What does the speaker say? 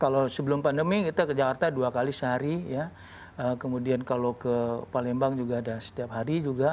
kalau sebelum pandemi kita ke jakarta dua kali sehari ya kemudian kalau ke palembang juga ada setiap hari juga